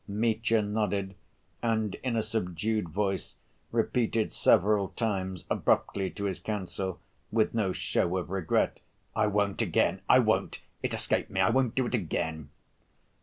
Mitya nodded and in a subdued voice repeated several times abruptly to his counsel, with no show of regret: "I won't again, I won't. It escaped me. I won't do it again."